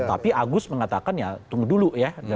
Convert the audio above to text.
tapi agus mengatakan ya tunggu dulu ya